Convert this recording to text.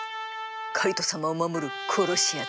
カイト様を守る殺し屋だ。